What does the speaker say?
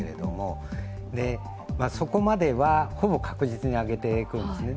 そこまでは、ほぼ確実に上げていくんですね。